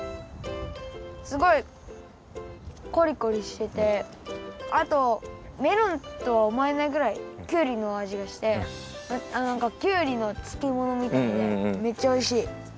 すごいコリコリしててあとメロンとはおもえないぐらいきゅうりの味がしてきゅうりのつけものみたいでめっちゃおいしい。